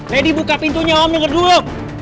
lady buka pintunya om dengar dulu